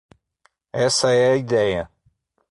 Essa é a ideia.